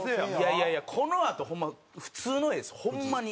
いやいやこのあと普通の絵ですホンマに。